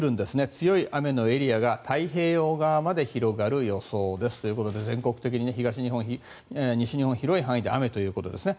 強い雨のエリアが太平洋側まで広がる予想ですということで全国的に東日本、西日本広い範囲で雨ということですね。